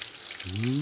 うん。